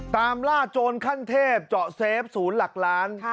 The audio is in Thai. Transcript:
ตามล่าโจรขั้นเทพเจาะเซฟศูนย์หลักล้าน